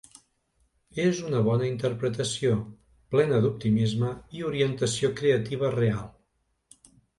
És una bona interpretació, plena d'optimisme i orientació creativa real.